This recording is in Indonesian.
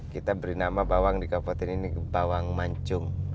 kita beri nama bawang di kabupaten ini bawang mancung